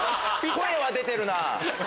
声は出てるなぁ。